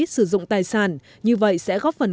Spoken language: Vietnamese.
sử dụng tài sản như vậy sẽ góp phần